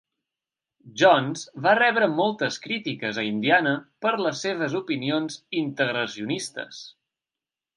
Jones va rebre moltes crítiques a Indiana per les seves opinions integracionistes.